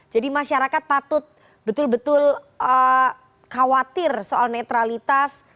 jadi masyarakat patut betul betul khawatir soal netralitas